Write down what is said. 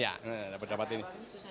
ya dapat ini